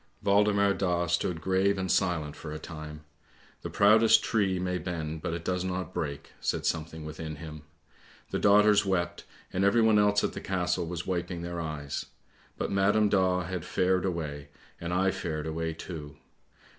Waldemar Daa stood grave and silent for a time; ' the proudest tree may bend, but it does not break,' said something within him. The daughters wept, and everyone else at the Castle was wiping their eyes; but Madam Daa had fared away, and I fared away too!